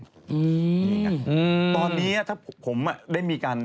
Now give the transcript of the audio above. ตอนนี้ถ้าผมได้มีการ